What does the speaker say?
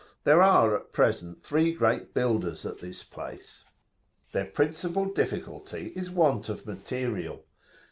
There are at present three great builders at this place. Their principal difficulty [p.178]is the want of material.